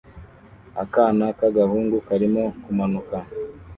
Akana k'agahungu karimo kumanuka